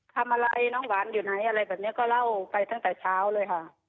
ทำอะไรน้องหวานอยู่ไหนอะไรแบบนี้ก็เล่าไปตั้งแต่เช้าเลยค่ะ